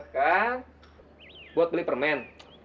kan buat beli permen